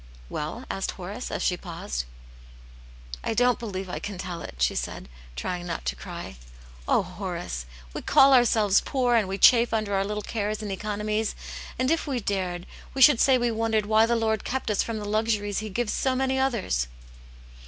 " Well ?" asked Horace, as she paused. " I don't believe I can tell it," she said, trying not to cry. " Oh, Horace ! We call ourselves poor and we chafe under our little cares and economies, and if we dared, we should say we wondered why the Lord kept from us the luxuries he gives so many others!"